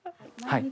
はい。